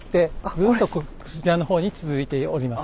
ずっとこちらの方に続いております。